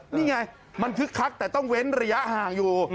นี่ไงมันคึกคักแต่ต้องเว้นระยะห่างอยู่